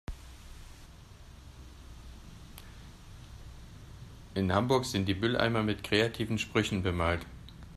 In Hamburg sind die Mülleimer mit kreativen Sprüchen bemalt.